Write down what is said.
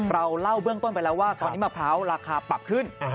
เราเล่าเบื้องต้นไปแล้วว่าตอนนี้มะพร้าวราคาปรับขึ้น